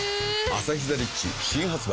「アサヒザ・リッチ」新発売